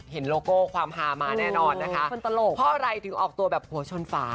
เห็นโลโก้ความหามาแน่นอนนะคะพ่อไหร่ถึงออกตัวแบบหัวชนฝา